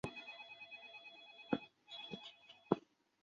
慕容廆后为其在辽西侨置乐浪郡。